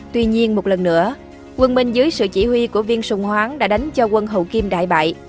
tuy nhiên một lần nữa quân minh dưới sự chỉ huy của viên sùng hoáng đã đánh cho quân hậu kim đại bại